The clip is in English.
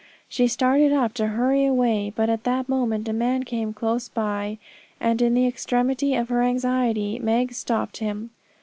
She started up to hurry away; but at that moment a man came close by, and in the extremity of her anxiety Meg stopped him.